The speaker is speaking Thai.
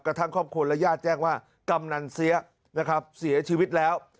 ทั้งครอบครัวและญาติแจ้งว่ากำนันเสียนะครับเสียชีวิตแล้ว